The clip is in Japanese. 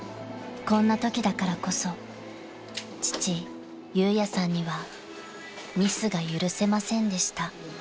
［こんなときだからこそ父裕也さんにはミスが許せませんでした］